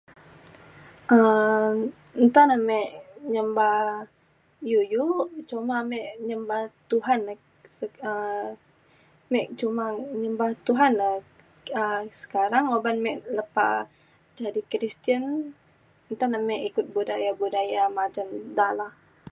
um nta ne ame nyemba iu iu cuma ame nyemba Tuhan ne- se- um mek cuma nyemba Tuhan le um sekarang oban ame lepa jadi Kristian nta ne ame ikut budaya budaya majan da la